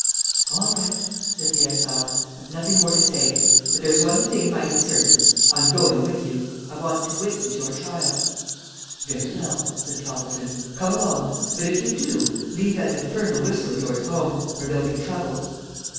"All right," said the exile. "I've nothing more to say; but there's one thing mighty certain. I'm going with you. I want to witness your triumph." "Very well," said Toppleton. "Come along. But if you do, leave that infernal whistle of yours home, or there'll be trouble."